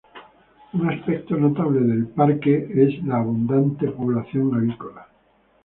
Un aspecto notable del parque es la abundante población avícola.